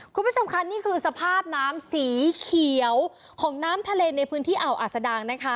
คุณผู้ชมค่ะนี่คือสภาพน้ำสีเขียวของน้ำทะเลในพื้นที่อ่าวอาสดางนะคะ